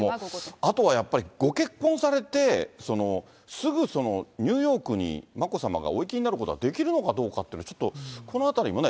あとはやっぱりご結婚されて、すぐニューヨークに眞子さまがお行きになることはできるかどうかということはちょっと、このあたりもね。